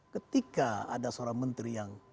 ketika ada seorang menteri yang